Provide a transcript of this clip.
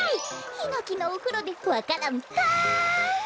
ひのきのおふろでわか蘭ポン！